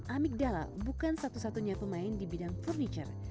amigdala bukan satu satunya pemain di bidang furniture